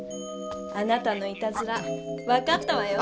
あなたのいたずらわかったわよ！